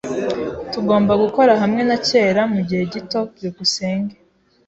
Tugomba gukora hamwe na kera mugihe gito. byukusenge